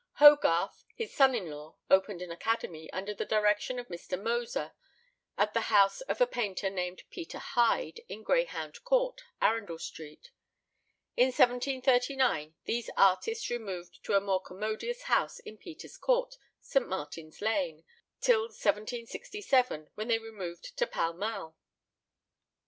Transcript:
Hogarth, his son in law, opened an academy, under the direction of Mr. Moser, at the house of a painter named Peter Hyde, in Greyhound Court, Arundel Street. In 1739 these artists removed to a more commodious house in Peter's Court, St. Martin's Lane, where they continued till 1767, when they removed to Pall Mall.